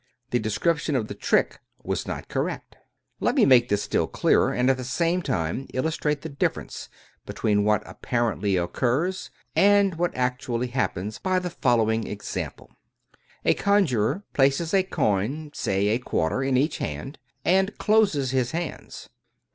The description of the trick was not correct. Let me make this still clearer, and at the same time illustrate the difference between what apparently occurs, and what actually happens, by the following example: A conjurer places a coin (say a quarter) in each hand, and closes his hands.